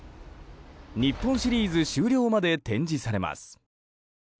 日本シリーズ終了まで展示されます。